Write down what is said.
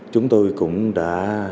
chúng tôi cũng đã